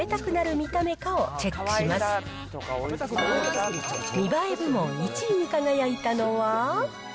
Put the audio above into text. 見栄え部門１位に輝いたのは。